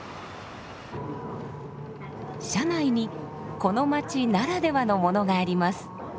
車内にこの街ならではのものがあります。